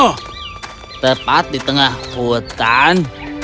oh tepat di tengah hutan